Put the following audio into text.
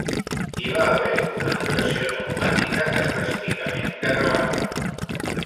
Hi va haver una notació neumàtica específicament catalana.